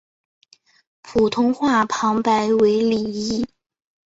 普通话旁白为李易。